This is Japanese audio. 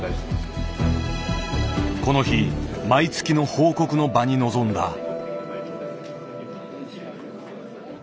この日毎月の報告の場に臨んだ。